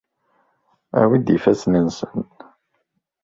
Awi-d ifassen-nsen.